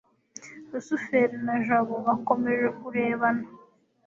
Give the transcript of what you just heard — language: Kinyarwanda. rusufero na jabo bakomeje kurebana